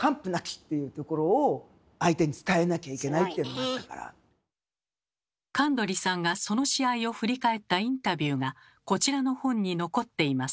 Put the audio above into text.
でも神取さんがその試合を振り返ったインタビューがこちらの本に残っています。